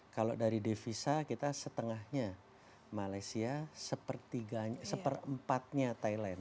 kalau dari devisa kita setengahnya malaysia seperempatnya thailand